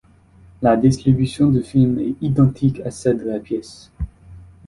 La distribution du film est identique à celle de la pièce.